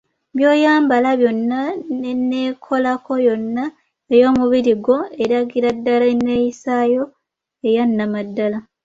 By’oyambala byonna n‘enneekolako yonna ey‘omubiri gwo eragira ddala enneeyisaayo eya nnamaddala.